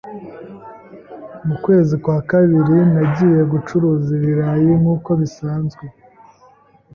Mu kwezi kwa kabiri, nagiye gucuruza ibirayi nk’uko bisanzwe